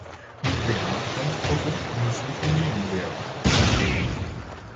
Nukleartransporte müssen vermieden werden.